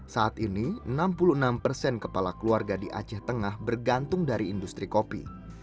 saat ini enam puluh enam persen kepala keluarga di aceh tengah bergantung dari industri kopi